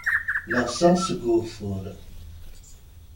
Llexseɣ seg ugeffur.